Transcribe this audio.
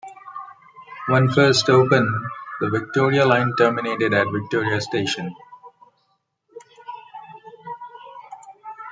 When first opened, the Victoria line terminated at Victoria station.